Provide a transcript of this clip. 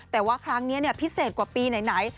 แต่ว่าครั้งนี้พิเศษกว่าปีไหน